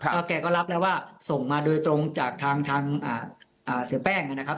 ก็แกก็รับแล้วว่าส่งมาโดยตรงจากทางเสียแป้งนะครับ